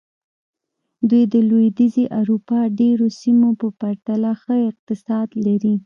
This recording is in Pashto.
دوی د لوېدیځې اروپا ډېرو سیمو په پرتله ښه اقتصاد لري.